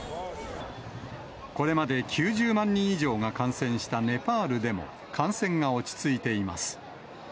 これまで９０万人以上が感染したネパールでも、感染が落ち着いています。